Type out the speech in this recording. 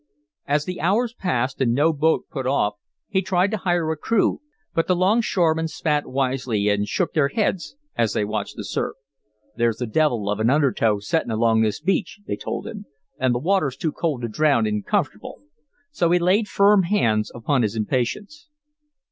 As the hours passed and no boat put off, he tried to hire a crew, but the longshoremen spat wisely and shook their heads as they watched the surf. "There's the devil of an undertow settin' along this beach," they told him, "and the water's too cold to drownd in comfortable." So he laid firm hands upon his impatience.